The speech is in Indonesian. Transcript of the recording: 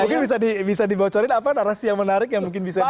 mungkin bisa dibocorin apa narasi yang menarik yang mungkin bisa di